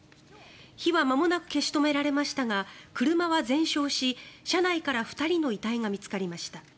火はまもなく消し止められましたが車は全焼し車内から２人の遺体が見つかりました。